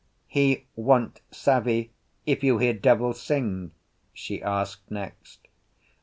"He want savvy if you hear devil sing?" she asked next.